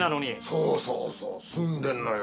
そうそうそう住んでるのよ。